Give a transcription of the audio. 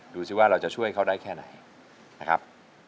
ดูสิว่าเราจะช่วยเขาได้แค่ไหนนะครับ